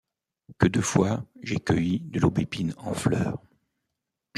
Que de fois j’ai cueilli de l’aubépine en fleur!